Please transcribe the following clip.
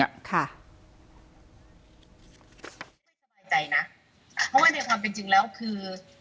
ไม่สบายใจนะเพราะว่าในความเป็นจริงแล้วคือ